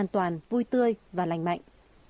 an toàn vui tươi và lành mạnh